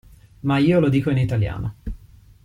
Ma io lo dico in italiano.